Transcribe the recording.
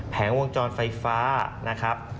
วงจรไฟฟ้านะครับ